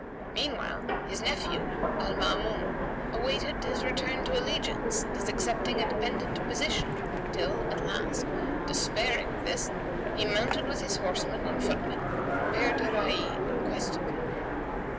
Meanwhile his nephew, Al Maamun, awaited his return to allegiance and his accepting a dependent position till, at last, despairing of this, he mounted with his horsemen and footmen and repaired to Rayy in quest of him.